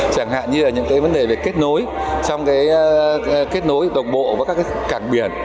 chẳng hạn như là những vấn đề về kết nối trong kết nối đồng bộ với các cảng biển